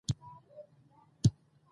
د ښوونکي مینه د ماشوم زړه نه ماتوي.